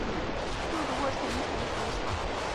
就读过成城学校。